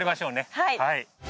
はい。